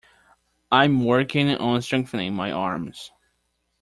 I'm working on strengthening my arms.